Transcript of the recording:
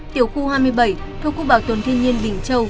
tiểu khu hai mươi bảy thuộc khu bảo tồn thiên nhiên bình châu